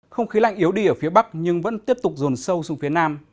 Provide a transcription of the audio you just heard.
không khí lạnh yếu đi ở phía bắc nhưng vẫn tiếp tục rồn sâu xuống phía nam